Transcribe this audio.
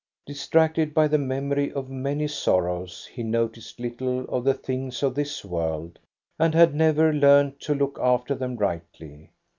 Distracted by the memory of many sorrows, he noticed little of the things of this world, and had never learned to look after them rightly.